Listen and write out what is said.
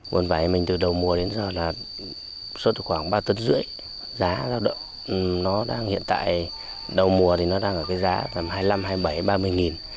vườn vải mình từ đầu mùa đến giờ là suốt khoảng ba tấn rưỡi giá nó đang hiện tại đầu mùa thì nó đang ở cái giá hai mươi năm hai mươi bảy ba mươi nghìn